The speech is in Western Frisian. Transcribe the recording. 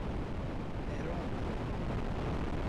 Werom.